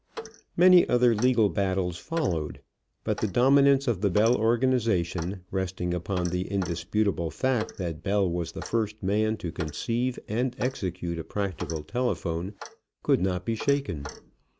Many other legal battles followed, but the dominance of the Bell organization, resting upon the indisputable fact that Bell was the first man to conceive and execute a practical telephone, could not be shaken.